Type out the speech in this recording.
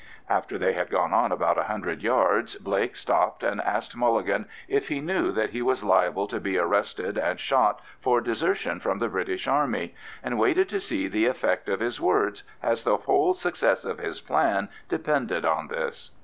After they had gone about a hundred yards, Blake stopped and asked Mulligan if he knew that he was liable to be arrested and shot for desertion from the British Army, and waited to see the effect of his words, as the whole success of his plan depended on this.